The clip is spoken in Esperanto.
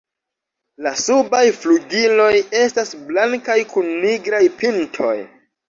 La subaj flugiloj estas blankaj kun nigraj pintoj.